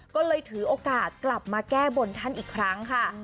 ก็เลยถือโอกาสกลับมาแก้บนท่านอีกครั้งค่ะ